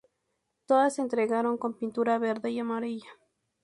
Todas se entregaron con pintura verde y amarilla.